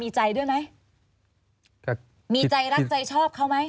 มีใจด้วยไหมมีใจรักใจชอบเขาไหม